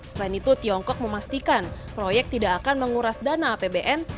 selain itu tiongkok memastikan proyek tidak akan menguras dana apbn